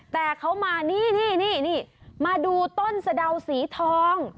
แต่เขามานี่นี่มาดูต้นสะดาวสีทอง